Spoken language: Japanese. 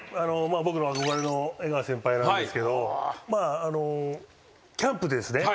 僕の憧れの江川先輩なんですけどキャンプでですね